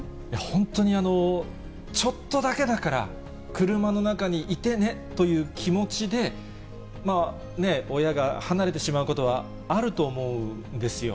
本当に、ちょっとだけだから、車の中にいてね、という気持ちで、親が離れてしまうことはあると思うんですよ。